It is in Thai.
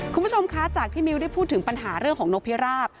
คุณผู้ชมคะจากที่มิวได้พูดถึงปัญหาเรื่องของนกพิราบ